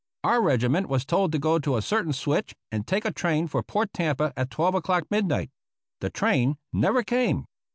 Our regi ment was told to go to a certain switch, and take a train for Port Tampa at twelve o'clock, midnight. The train never came.